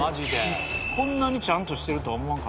こんなにちゃんとしてるとは思わんかったな。